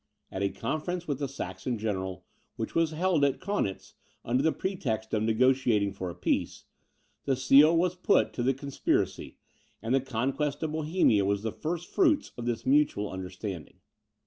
At a conference with the Saxon general, which was held at Kaunitz under the pretext of negociating for a peace, the seal was put to the conspiracy, and the conquest of Bohemia was the first fruits of this mutual understanding.